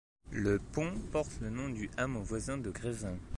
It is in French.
Le pont porte le nom du hameau voisin de Grésin.